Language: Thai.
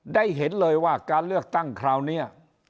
ได้เห็นเลยว่าการเลือกตั้งคราวนี้